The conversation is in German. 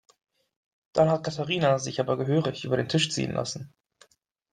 Dann hat Katharina sich aber gehörig über den Tisch ziehen lassen.